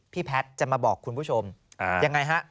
แพทย์จะมาบอกคุณผู้ชมยังไงฮะ